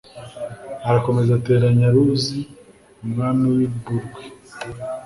arakomeza atera Nyaruzi Umwami w'i Burwi